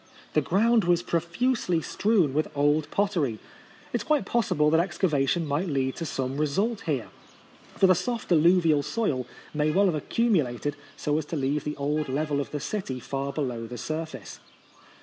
The ground was profuse ly strewn with old pottery. It is quite possible that excavation might lead to some result here, for the soft alluvial soil may well have accumulated so as to leave the old level of the city far below the sur face.